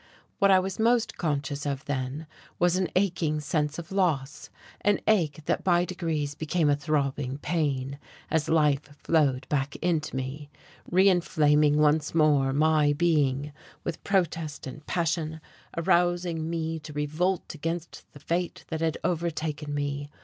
What I was most conscious of then was an aching sense of loss an ache that by degrees became a throbbing pain as life flowed back into me, re inflaming once more my being with protest and passion, arousing me to revolt against the fate that had overtaken me.